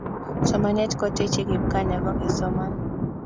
somanet kotechei kipkaa nepo kesoman